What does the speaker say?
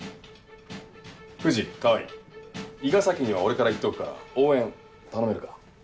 藤川合伊賀崎には俺から言っておくから応援頼めるか？